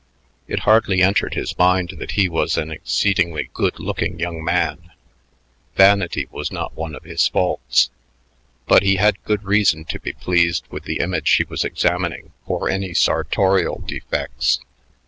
It hardly entered his mind that he was an exceedingly good looking young man. Vanity was not one of his faults. But he had good reason to be pleased with the image he was examining for any sartorial defects.